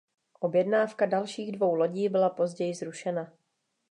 Objednávka dalších dvou lodí byla později zrušena.